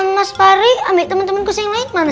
mas pari ambil temen temen kusing lain mana